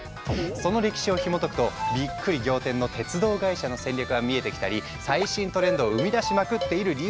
その歴史をひもとくとびっくり仰天の鉄道会社の戦略が見えてきたり最新トレンドを生み出しまくっている理由が分かったり